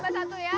coba satu ya